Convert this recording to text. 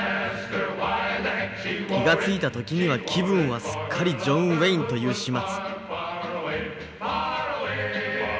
気が付いた時には気分はすっかりジョン・ウェインという始末